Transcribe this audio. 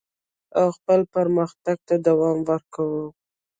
او خپل پرمختګ ته دوام ورکوي.